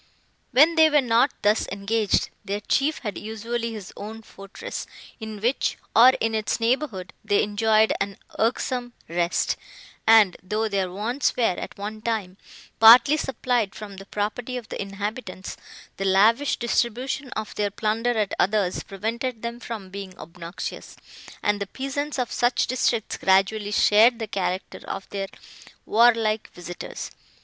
When they were not thus engaged, their chief had usually his own fortress, in which, or in its neighbourhood, they enjoyed an irksome rest; and, though their wants were, at one time, partly supplied from the property of the inhabitants, the lavish distribution of their plunder at others, prevented them from being obnoxious; and the peasants of such districts gradually shared the character of their warlike visitors.